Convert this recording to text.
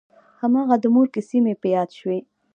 هماغه د مور کيسې مې په ياد شوې.